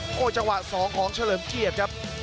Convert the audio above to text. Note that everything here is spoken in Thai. โอ้โหจังหวะ๒ของเฉลิมเกียรติครับ